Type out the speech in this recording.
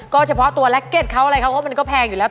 ก็เฉพาะตัวแล็กเก็ตเขาอะไรเขาเพราะมันก็แพงอยู่แล้ว